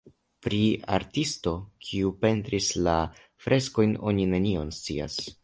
Pri artisto, kiu pentris la freskojn oni nenion scias.